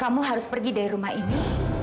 kamu harus pergi dari rumah ini